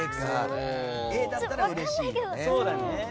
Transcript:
Ａだったらうれしいよね。